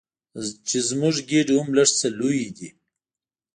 چې زموږ ګېډې هم لږ څه لویې دي.